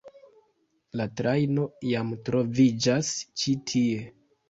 La trajno jam troviĝas ĉi tie.